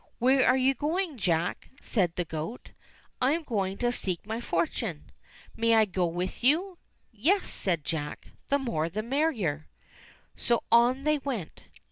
"Where are you going. Jack?" said the goat. ^ "I am going to seek my fortune." "May I go with you ?" "Yes," said Jack, "the more the merrier." > So on they went.